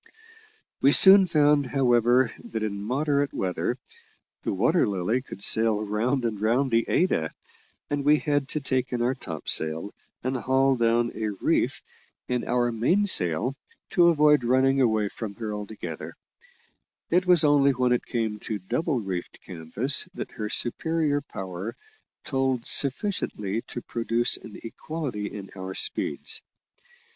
We soon found, however, that in moderate weather the Water Lily could sail round and round the Ada, and we had to take in our topsail and haul down a reef in our mainsail to avoid running away from her altogether; it was only when it came to double reefed canvas that her superior power told sufficiently to produce an equality in our speeds.